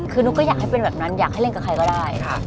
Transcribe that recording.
คือนุ๊กก็อยากให้เป็นแบบนั้นอยากให้เล่นกับใครก็ได้